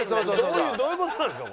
どういう事なんですか？